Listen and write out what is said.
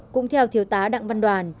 cũng theo thiếu tá đặng văn đoàn